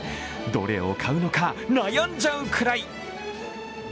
どれを買うのか悩んじゃうくらい。